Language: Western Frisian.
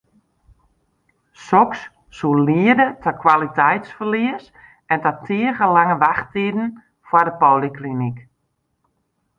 Soks soe liede ta kwaliteitsferlies en ta tige lange wachttiden foar de polyklinyk.